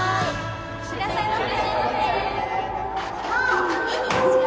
いらっしゃいませ。